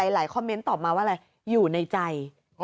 คอมเมนต์ตอบมาว่าอะไรอยู่ในใจ